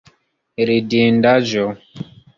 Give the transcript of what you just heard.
Ridindaĵo!